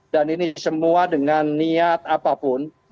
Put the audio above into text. dan ini semua dengan niat apapun